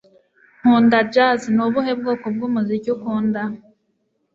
Nkunda jazz Ni ubuhe bwoko bwumuziki ukunda